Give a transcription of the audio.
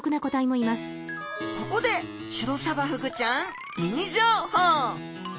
ここでシロサバフグちゃんミニ情報。